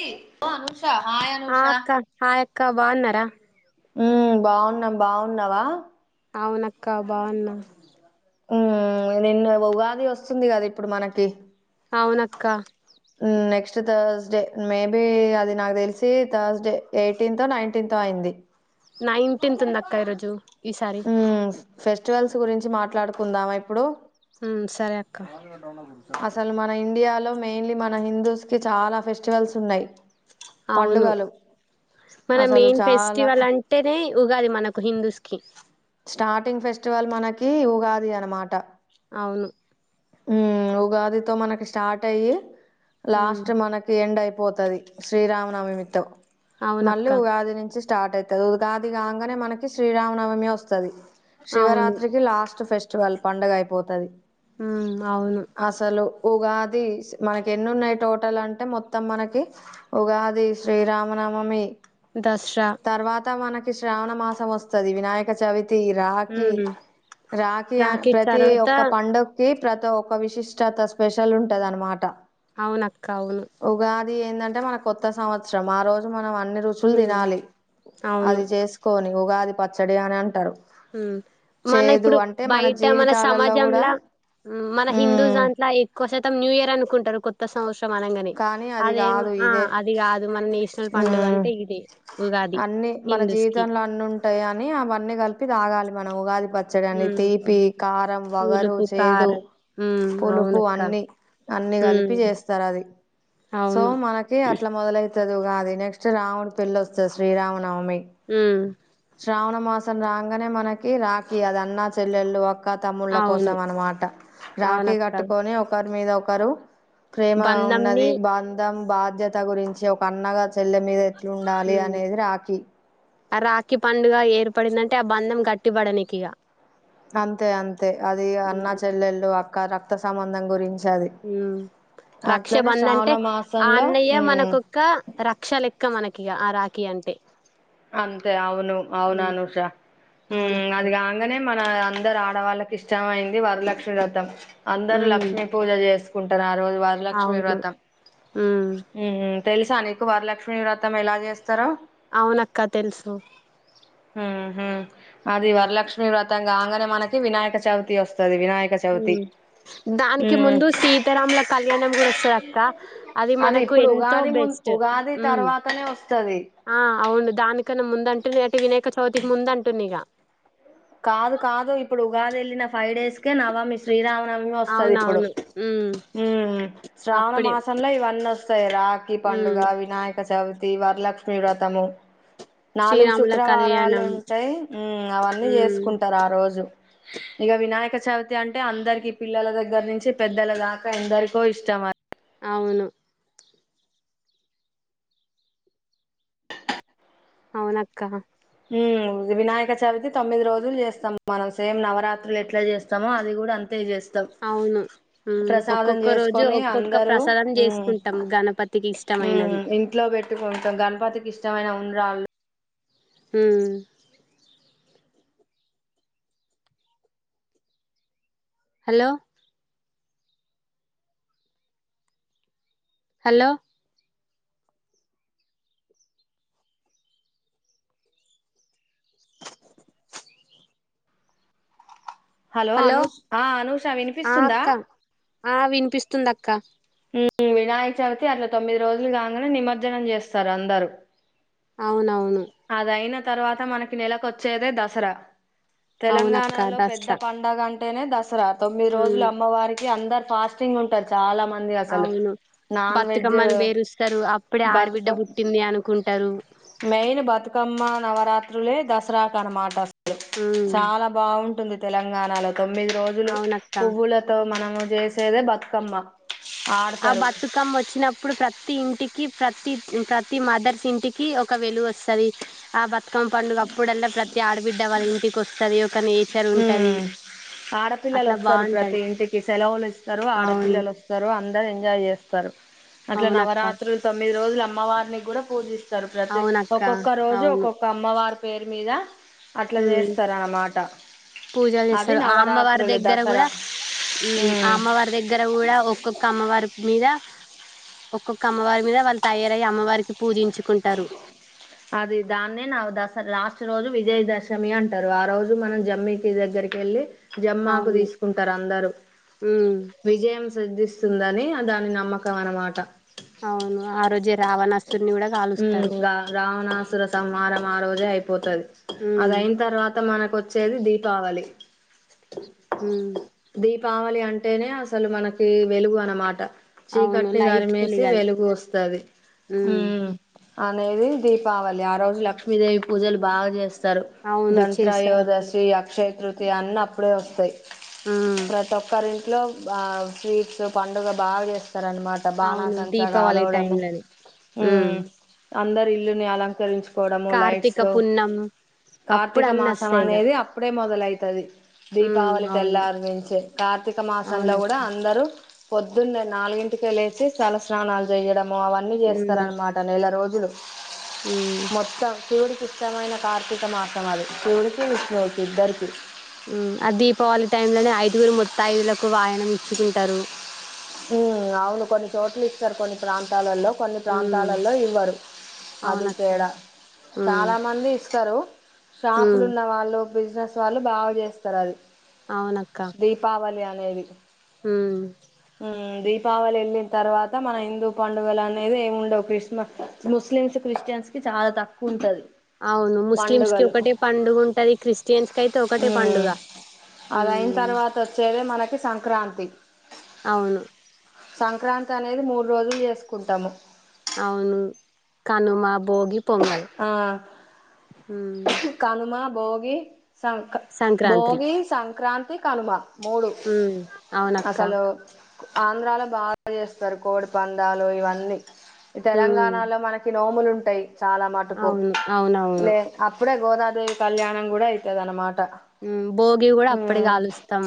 ఈ బాముచ్ ఆ అక్క హాయ్ అక్క బాగున్నార ఉమ్ బాగున్నాం బాగున్నావా అవునక్క బాగున్నా ఉమ్ నిన్న ఉగాది వస్తుంది గద ఇప్పుడు మనకి అవునక్క ఉమ్ నెక్స్ట్ థర్స్ డే మేబి అది నాకు తెలిసి థర్స్డే ఎయిటీన్తో నైన్టీన్తో అయింది నైన్టీన్త్ ఉందక్క ఈరోజు ఈసారి ఉమ్ ఫెస్టివల్స్ గురించి మాట్లాడుకుందామా ఇప్పుడు మ్మ్ సరే అక్క అసలు మన ఇండియాలో మెయిన్లీ మన హిందూస్ కి చాలా ఫెస్టివల్స్ ఉన్నాయి. అవును పండుగలు మన అసలు మెయిన్ చాలా ఫెస్టివల్ అంటేనే ఉగాది మనకు హిందూస్కి స్టార్టింగ్ ఫెస్టివల్ మనకి ఉగాది అనమాట అవును ఉమ్ ఉగాదితో మనకి స్టార్ట్ అయ్యి ఉమ్, లాస్ట్ మనకి ఎండ్ అయి పోతది శ్రీరామనవమితో అవునక్క మళ్ళీ ఉగాది నుంచి స్టార్ట్ అయితది ఉగాది కాంగానే మనకి శ్రీరామనవమి వస్తది అవును షివరాత్రికి లాస్ట్ ఫెస్ట్ టువాళ్ పండగ అయిపోతది మ్మ్ అవును అసలు ఉగాది మనకెన్ని ఉన్నాయి టోటల్ అంటే మొత్తం మనకి ఉగాది శ్రీరామ నవమి దసరా తర్వాత మనకి ష్రావణ మాసం వస్తది వినాయక చవితి రాఖీ ఉమ్, రాఖీ ప్రతి ఒక్క పండుగకి ప్రత ఒక విషిష్టత స్పెషల్ ఉంటదన్మాట అవునక్క అవును అది ఏందంటే మన కొత్త సంవత్సరం ఆ రోజు మనం అన్ని రుచులు ఉమ్, దినాలి అవును అది చేసుకోని ఉగాది పచ్చడి అనంటరు మ్మ్ మన ఇప్పుడు బయట మన జీవితాలలో కూడా సమాజంలా మ్మ్ మన హిందూ ఉమ్ దాంట్ల ఎక్కువ శైతం న్యూ ఇయర్ అనుకుంటారు కొత్త సంవత్స్ మనంగానే కానీ అది అదేం కాదు ఆ ఇదే అది గాదు మన నేషనల్ పండుగ ఉమ్ అంటే ఇదే ఉగాది అన్ని మన హిందూస్ కి జీవితంలో అన్ని ఉంటాయని అవన్నీ కలిపి దాగాలి మనం ఉగాది పచ్చడని తీపి ఉమ్ కారం వగరు పులుపు చేదు కారం ఉమ్ పులుపు అవునక్క అన్నీ అన్ని కలిపి ఉమ్ చేస్తారు అది సో అవును మనకి అట్లా మొదలైతది ఉగాది నెక్స్ట్ రాముడు పెళ్లి వస్తది శ్రీరామ నవమి ఉమ్ శ్రావణ మాసం రాంగానే మనకి రాకి అది అన్నా చెల్లెళ్ళు ఒక్క తమ్ముళ్ల అవును కోసం అనమాట రాఖీ అవునక్క కట్టుకోని ఒకరి మీద ఒకరు ప్రేమ బంధంని ఉన్నది బంధం బాధ్యత గురించి ఒక అన్నగా చెల్లె మీద ట్లుండాలి ఉమ్ అనేది రాఖీ ఆ రాఖీ పండుగ ఏర్పడిందంటే ఆ బంధం గట్టిబడనికిగా అంతే అంతే అది అన్న ఉమ్ చెల్లెళు అక్క రక్త సంబంధం గురించి అది మ్మ్ రక్ష అట్లనే బంధ్ శ్రావణ అంటే ఆ మాసంలో అన్నయ్య ఉమ్ మనకొక్క రక్ష లెక్క మనకిక ఆ రా కి అంటే అంతే అవును అవును ఉమ్ అనూషా అవునక్క అదిగాంగనే మన అందరు ఆడవాళ్ళకి ఇష్టమయింది వరలక్ష్మి వ్రతం అందరు ఉమ్ లక్ష్మీ పూజ చేస్ రోజు వరలక్ష్మీ అవును వ్రతం ఉమ్ తెలుసా నీకు వరలక్ష్మి వ్రతం ఎలా చేస్తారో అవునక్క తెలుసు ఉహు అది ఉమ్ వరలక్ష్మి వ్రతం కంగానే మనకి వినాయక చవితి వస్తుం స్తది వినాయక చవితి ఉమ్ దానికి ఉమ్ ముందు సీతారాముల కళ్యాణం కూడా వస్తుంది అక్క అది మనకు ఇప్పుడు ఎంతో ఉగాది ము బెస్ ఉగాది తర్వాతనే వస్తది ఆ అవును దానికన్నా ముంద అంటుంది అంటే వినాయక చవితికి ముంద అంటుంన్న ఇగ కాదు కాదు ఇప్పుడు ఉగాది ఏళ్ళిన ఫైవ్ డేస్ కే నవమి శ్రీరామనవమి వస్తది ఇప్పుడు అవునవును ఉమ్ ఉ శ్రావణ అప్పుడే మాసంల ఇవన్నీనోస్తాయి రాఖీ పండుగ ఉమ్ వినాయక చవి తి వరలక్ష్మి వ్రతము నాలుగు శ్రీరాముల శుక్రవారాలు కళ్యాణం ఉంటాయి ఉ అవన్నీ ఉమ్ చేసుకుంటారు ఆ రోజు ఇగ వినాయక చవితి అంటే అందరికి పిల్లల దగ్గర నుంచి పెద్దల దాకా ఎందరికో ఇష్టం అం అవును అవునక్క ఉహ్ వినాయక చవితి తొమ్మిది రోజులు చేస్తాం మనం సేమ్ నవరాత్రులు ఎట్లా చేస్తామో అది కూడా అంతే చేస్ తం అవును ఉమ్ ప్రసాదం ఒక్కొక్క రోజు చేసుకొని ఒక్కొక్క అందరూ ప్రసాదం చేసుకుంటాం గణపతికి ఉహ్ ఇష్టమైనది ఇంట్లో పెట్టుకుంటాం గణపతికి ఇష్టమైన ఉండ్రాళ్లు హ్మ్ హలో హలో హలో అనూష్ ఆ అనూష ఆ వినిపిస్తుందా అక్క ఆ వినిపిస్తుంది అక్క ఉహ్ వినాయక చవితి అట్లా తొమ్మిది రోజులు కంగనే నిమజ్జనం చేస్తారు అందరు అవునవును అదయిన తర్వాత మనకి నెలకొచ్చేదే దసరా అవునక్క తెలంగాణలో పెద్ద దసరా పండగ అం టే నే దసరా తొమ్మిది రోజులు ఉమ్ అమ్మవారికి అందరు ఫాస్టింగ్ ఉంటారు చాలా మం ది అసలు అవును నాన్ వెెజ బతుకమ్మని పేరుస్తారు అప్పుడే ఆడబిడ్డ బతుకమ్మ్ పుట్టింది అనుకుంటారు మెయిన్ బతుకమ్మ నవరాత్రులే దసరాకు అనమాట ఉమ్ చాలా బాగుంటుంది తెలంగాణలో తొమ్మిది రోజులు అవునక్క పువ్వులతో మనము జేసేదే బతుకమ్మ ఆ ఆడతారు బతుకమ్మ ఓచ్చినప్పుడు ప్రతి ఇంటికి ప్రతి ప్రతి మదర్స్ ఇంటికి ఒక వెలుగోస్తది ఆ బత్ తక్కం పండుగ అప్పుడల్లా ప్రతి ఆడబిడ్డ వాళ్ళ ఇంటికి వస్తుంది ఒక నేచర్ ఉంటది ఉమ్ ఆడపిల్లలు అట్లా వస్తారు ప్రతి బాగుంటది ఇంటికి సెలవులు ఇస్తారు అవును ఆడపిల్లలు వస్తారు అందరు ఎం జాయ్ చేస్తారు అట్లా అవునక్క నవరాత్రులు తొమ్మిది రోజులు అమ్మవారిని కూడా పూజిస్ స్తారు ప్రతి అవునక్క ఒక్కొక్క రోజు అవును ఒక్కొక్క అమ్మవారి పేరు మీద అట్లా ఉమ్ చేస్తారన్నమాట పూజలు చేస్తారు ఆ అమ్మవారి దగ్గర కూడా దసరా హ్మ్ ఆ ఉమ్ అమ్మవారి దగ్గర కూడా డ ఒక్కొక్క అమ్మవారి మీద ఒక్కొక్క అమ్మవారి మీద వాళ్ళు తయారయ్యి అమ్మవారికి పూజించుకుంటారు అది దాన్నే నా దసరా లాస్ట్ రోజు విజయదశమి అంటారు ఆ రోజు మనం జమ్మికి దగ్గర్ రకెళ్ళి జెమ్మకు అవును తీసుకుంటారు అందరు ఉమ్ విజయం వస్తుందని దాని నమ్మకం అనమాట అవును ఆ రోజే రావణాసురిని కూడా కాలుస్తారు తం వారం ఆ రోజే అయిపోతది అది ఉమ్ అయిన తర్వాత మన కోచ్చేది దీపావళి హ్మ్ పావలి అంటేనే అసలు మనకి వెలుగు అనమాట అవును చీకటిని లైట్ దారిమేసి పులిగది వెలుగు వస్తది హ ఉమ్ అనేది దీపావళి ఆ రోజు లక్ష్మీదేవి పూజలు బాగా చేస్తా రు అవును చేస్తారు అప్పుడు దాంత్రయోదశీ అక్షయ తృ తోట అన్ని అప్పుడే వస్తాయి ఉమ్ ప్రతి ఒక్కరింటి ట్లో ఆ స్వీట్స్ పండుగ బాగా చేస్తారూ అనమాట బాణసంచ కాలవడము హ ఉమ్ అందరు ఇల్లుని అలంకరించు కోడము లైట్స్ కార్తీక పున్నం అప్పుడు కార్తీక అన్ని మాసం వస్తాయి ఇగ అనేది అప్పుడే మొదలైతది ఉమ్ దీపావళి అవును తెల్లారు నుంచే కార్తీక మాసంలో అవునక్క కూడా అందరూ పొద్దున్నే నాలుగింటికి లేసి తల స్నానాలు చెయడము అవన్నీ ఉమ్ చేస్తారనమాట నెల రోజులు ఉమ్ మొత్తం శివుడికి ఇష్టమైన కార్తీక మాసం అది శివుడికి విష్ణువుకి ఇద్దరికి ఆ దీపావళి టైమ్ లనే ఐదుగురు ముతైదులకు వాయినం ఇచ్చుకుంటారు ఉ అవును కొన్ని చోట్ల ఇస్తారు కొన్ని ప్రాంతాలలో కొన్ని ఉమ్ ప్రాంతాలలో ఇవ్వరు అది అవునక్క తేడా ఉమ్ చాలా మంది ఇస్తారు షాపులు ఉమ్ ఉన్న వాళ్ళు బిజినెస్ వాళ్ళు బాగ చేస్తారు అది అవునక్క దీపావళి అ నేది ఆ దీపావళి వెళ్ళిన తర్వాత మన హిందూ పండుగలు అనేది ఏ ఉండవు క్రిస్మస్ ముస్ ముస్లిమ్స్ క్రిస్టియన్స్ కి చాలా తక్కువ ఉంటుంది అవును ముస్లిమ్స్ కి ఒకటే పండుగ ఉంటది క్రిస్టియన్స్ కి అయితే ఒకటే పండుగ అదయిన ఉమ్ తర్వాత వచ్చేదే మనకి సంక్రాంతి అవును సంక్రాంతి అనేది మూడు రోజులు చేసుకుంటాము అవును కనుమా భోగి పొంగల్ ఆ ఉమ్ కనుమా భోగి సంక సంక్రాంతి భోగి సంక్రాంతి కనుమ మూడు ఉమ్ అవునక్క అసలు ఆంధ్రాలో బాగా చేస్తారు కోడి పందాలు ఇవన్నీ ఈ ఉమ్ తెలంగాణలో మనకి నోములు ఉంటాయి చాలా మటుకు అవును అవునవును లే అప్పుడే గోదాదేవి కళ్యాణం కూడా అవుతుంది అనమాట భోగి కూడా అప్పడే కాలుస్తాం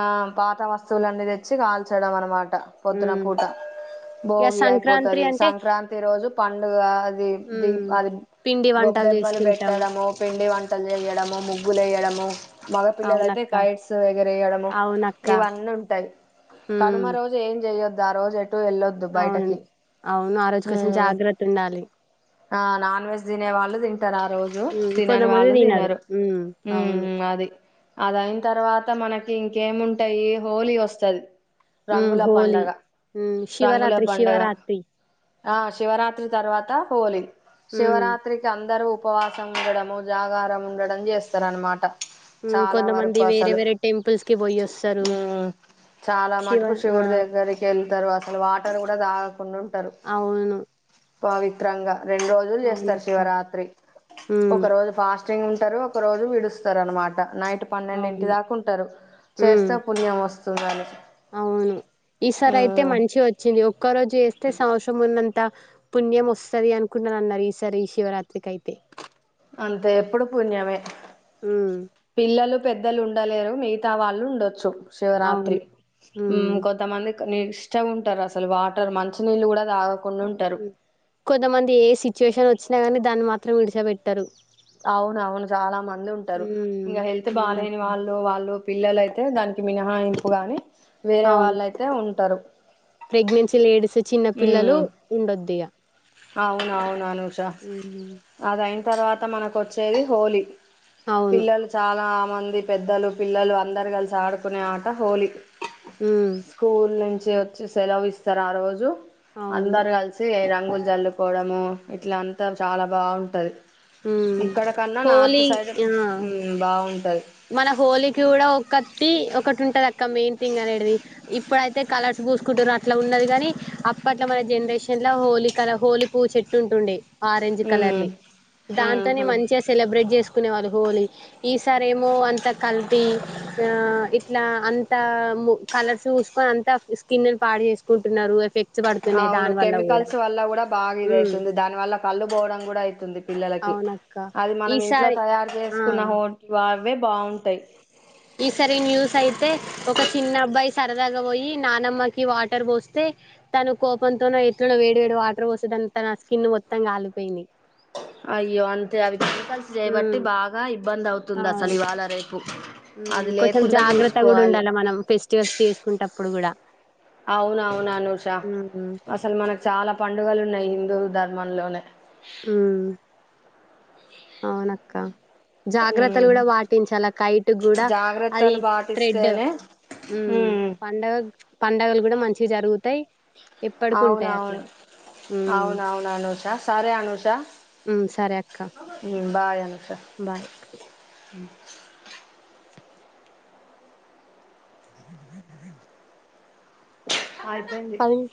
ఆ పాత వస్తువులు అన్నీ తెచ్చి కాల్చడం అనమాట పొద్దున ఉమ్ పూట ఇక భోగి సంక్రాంతి అయిపోతది అంటే సంక్రాంతి రోజు పండుగది ఉమ్ దీప్ అది పిండి వంటలు గొబ్బెమ్మలు చేసుకుంటాం పెట్టడము పిండి వంట లు చేయడము ముగ్గులు వేయడము మగ పిల్లలు అయితే అవునక్క కిట్స్ ఏగర వేయడము అవునక్క ఇవన్నీ ఉంటాయి ఉమ్ కనుమ రోజు ఏం చెయొద్దు ఆ రోజు ఎట్ టు ఎలదు అవును బయటకి అవును ఆ రోజు హ కొంచెం జాగ్రత్త ఉండాలి ఆ నాన్ వెజ్ తినే వాళ్ళు తి తింటారు ఆ రోజు ఉమ్ తినని కొంతమంది వాళ్ళు తినరు ఉమ్ ఉ అవును అది అదయిన తర్వాత మనకి ఇంకేముంటాయి హోలీ వస్తది ఉమ్ రంగుల హోలీ పండగ ఉమ్ రంగుల శివరాత్రి పండుగ శివరాత్రి ఆ శివరాత్రి తర్వాత హోలీ ఉమ్ శివరాత్రికి అందరూ ఉపవాసం ఉండడము జాగారం ఉండడం చేస్తారనమాట ఉమ్ చాలా కొంతమంది వరకు వేరే అసలు వేరే టెంపుల్స్ కి పోయొస్తారు హ చాలా శివ మటుకు ఆ శివుడి దగ్గరికి ఏళ్తారు అసలు వాటర్ కూడా దాగకుం అవును పవిత్రంగా రెండు రోజులు చేస్తారు అవునక్క శివరాత్రి ఒక ఉమ్ రోజు ఫాస్టింగ్ ఉంటారు ఒక రోజు విడుస్తారు అనమాట నైట్ పన్నెండింటి అవును దాకుంటారు ఉమ్ చేస్తే పుణ్యం వస్తుంది అని అవును ఈసారి అయితే మంచి వచ్చింది ఒక్క రోజె చేస్తే సంవత్సరం ఉన్నంత ఇంత పుణ్యం వస్తది అనుకున్ననన్నరు ఈసారి శివరాత్రికి అయితే అంత ఎప్పుడు పుణ్యమే ఉమ్ పిల్లలు పెద్దలు ఉండలేరు మిగతా వాళ్ళు ఉండొచ్చు శివరాత్రి అవును ఉమ్ మ్ కొంతమంది నీ నిష్ఠగ ఉంటారు అసలు వాటర్ మంచి నీళ్ళు కూడా తాగరు కొంతమంది ఏ సిచ్యువేషన్ వచ్చినా కానీ దాన్ని మాత్రం విడిచపెట్టారు అవున అవును చాలా మంది ఉంటారు ఉమ్ ఇంకా హెల్త్ బాలేని అవునక్క వాళ్ళు వాళ్ళు పిల్లలయితే దానికి మినహాయింపు గాని వేరే అవును వాళ్ళుయితే ఉంటారు ప్రెగ్నెన్సీ లేడీస్ చిన్న పిల్లలు ఉండొద్దు ఇహ అవునవును అనుషా ఉమ్ అదయిన తర్వాత మనకువచ్చేది హోలీ అవును పిల్లలు చాలా మంది పెద్దలు పిల్లలు అందరు కలిసి ఆడుకునే ఆట హోలీ ఉమ్ స్కూల్ నుంచి వచ్చి సెలవు ఇస్తారు ఆ రోజు అవును అందరు కలిసి రంగులు జల్లుకోవడము ఇట్ల అంతా చాలా బాగుంటది ఉమ్ ఇక్కడ కన్నా నార్త్ హోలీ సైడ్ ఆ మ్ బావుంటది మన హోలీకి కూడా ఒక్క కట్టి ఒకటి ఉంటది అక్క మెయిన్ థింగ్ అనేటిది ఇప్పుడైతే కలర్స్ పూసుకుంటుర్రు అట్లా ఉన్నది గాని అప్పట్లో మన జనరేషన్ లో హోలీ కల హోలీ పూ చెట్టు ఉంటుండే ఆరెంజ్ కలర్ వి దాంతోనే మంచిగా సెలబ్రేట్ చేసుకునే వాళ్ళు హోలీ ఈసారి ఏమో అంత కల్తీ ఆ ఇట్లా అంతా కలర్స్ పూసుకొని అంత స్కిన్ ని పాడు చేసుకుంటున్నారు ఎఫెక్ట్స్ పడుతున్నాయి అవును దాని వల్ల కూడా కెమికల్స్ వల్ల కూడా బాగా ఇది ఉమ్ అయితుంది దాని వల్ల కళ్ళు పోవడం కూడా అయితుంది పిల్లల కి అవునక్క అది మనం ఇంట్లో ఈసారి తయారు ఆ చేసుకున్నవి వా ఈసారి ఈ న్యూస్ అయితే ఒక చిన్న అబ్బాయి స ల్లపోయి పోయి నానమ్మకి వాటర్ పోస్తే తను కోపంతోన ఎట్ల వేడి వేడి వాటర్ పోసిఇదం త స్కిన్ మొత్తం కాలిపోయింది అయ్యో అంతే అవి క మికల్స్ చేయబట్టి ఉమ్ బాగా ఇబ్బంది అవుతుంది అసలు అవును ఇవాళ రేపు అది కొంచెం లేకుండా జాగ్రత్త కూడా చూసుకోవాలి ఉండాల మనం ఫెస్టివల్స్ చేసుకుంటప్పుడు కూడా అవునవును అనూష ఉమ్ అసలు మనకు చాలా పండుగలు ఉన్నాయి హిందూ ధర్మంలోనే మ్ అవునక్క జాగ్రత్తలు ఉమ్ కూడా పాటించాలఅక్క కైట్ కూడా అది జాగ్రత్తలు థ్రెడ్ పాటిస్తేనే ఉమ్ పండగ పండగలు కూడా మంచి జరుగుతాయి ఎప్పటికుంటాయి అట్లాగ అవునా అవునా అనుషా సారే అనుషా ఉమ్ సరే అక్క బాయ్ అనుషా బాయ్ అయిపోయింది పది నిమి